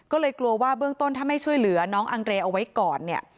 ก็เลยกลัวว่าเบื้องต้นถ้าไม่ช่วยเหลือน้องอังเรเอาไว้ก่อนเนี่ย